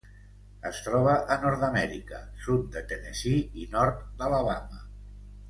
Es troba a Nord-amèrica: sud de Tennessee i nord d'Alabama.